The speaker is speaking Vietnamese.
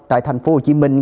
tại thành phố hồ chí minh